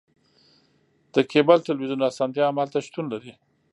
د کیبل تلویزیون اسانتیا هم هلته شتون لري